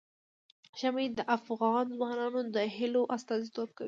ژمی د افغان ځوانانو د هیلو استازیتوب کوي.